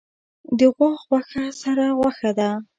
د غوا غوښه سره غوښه ده